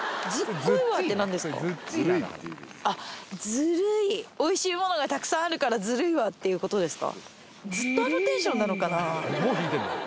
ずるいおいしいものがたくさんあるからずるいわっていうことですか？